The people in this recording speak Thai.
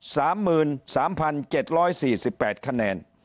สามหมื่นสามพันเจ็ดร้อยสี่สิบแปดคะแนน